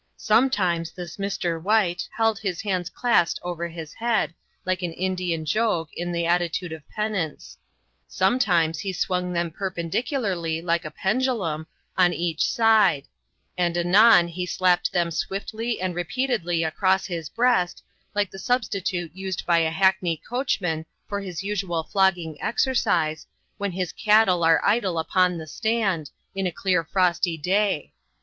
Sometimes this mister wight held his hands clasped over his head, like an Indian Jogue in the attitude of penance; sometimes he swung them perpendicularly, like a pendulum, on each side; and anon he slapped them swiftly and repeatedly across his breast, like the substitute used by a hackney coachman for his usual flogging exercise, when his cattle are idle upon the stand, in a clear frosty day.